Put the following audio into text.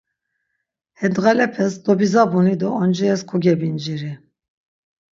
He ndğalepes dobizabuni do oncires kogebinciri.